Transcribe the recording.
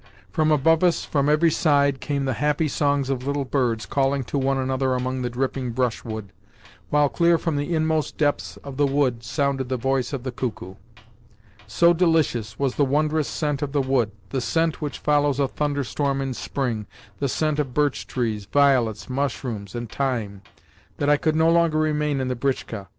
From above us, from every side, came the happy songs of little birds calling to one another among the dripping brushwood, while clear from the inmost depths of the wood sounded the voice of the cuckoo. So delicious was the wondrous scent of the wood, the scent which follows a thunderstorm in spring, the scent of birch trees, violets, mushrooms, and thyme, that I could no longer remain in the britchka.